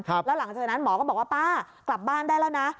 แล้วหลังจากนั้นหมอก็บอกว่าป้ากลับบ้านได้แล้วนะ